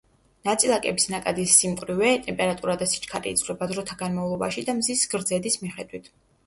ნაწილაკების ნაკადის სიმკვრივე, ტემპერატურა და სიჩქარე იცვლება დროთა განმავლობაში და მზის გრძედის მიხედვით.